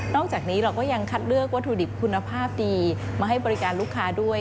จากนี้เราก็ยังคัดเลือกวัตถุดิบคุณภาพดีมาให้บริการลูกค้าด้วย